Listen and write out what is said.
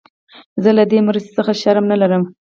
زه له مرستي څخه شرم نه لرم.